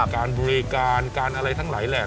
การบริการการอะไรทั้งหลายแหละ